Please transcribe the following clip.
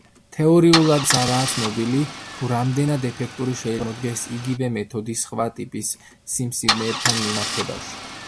თეორიულადაც არაა ცნობილი, თუ რამდენად ეფექტური შეიძლება გამოდგეს იგივე მეთოდი სხვა ტიპის სიმსივნეებთან მიმართებაში.